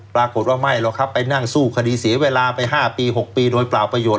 ปรากฏว่าไม่หรอกครับไปนั่งสู้คดีเสียเวลาไป๕ปี๖ปีโดยเปล่าประโยชน